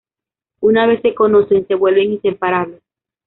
Una vez se conocen, se vuelven inseparables.